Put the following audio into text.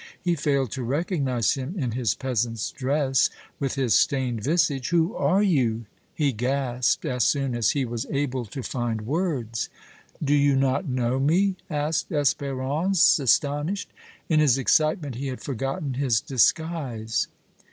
He failed to recognize him in his peasant's dress, with his stained visage. "Who are you?" he gasped, as soon as he was able to find words. "Do you not know me?" asked Espérance, astonished. In his excitement he had forgotten his disguise.